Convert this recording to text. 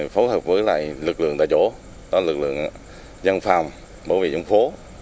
phối hợp với lực lượng tài vỗ lực lượng dân phòng bảo vệ dân phố